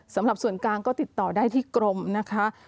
สำหรับส่วนกลางก็ติดต่อได้ที่กรมนะคะ